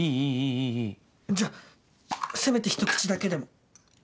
じゃあせめて一口だけでも。